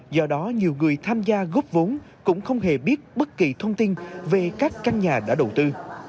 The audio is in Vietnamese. do đó nhiều người tham gia góp vốn cũng không hề biết bất kỳ thông tin về các căn nhà đã đầu tư